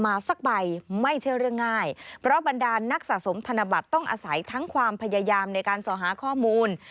สักใบไม่เชื่อเรื่องง่ายเพราะบรรดานนักสะสมธนบัตรต้องอาศัยทั้งความพยายามในการสอหาข้อมูล